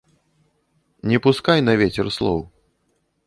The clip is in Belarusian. Не пускай на вецер слоў.